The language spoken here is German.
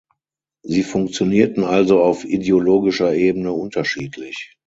Sie funktionierten also auf ideologischer Ebene unterschiedlich.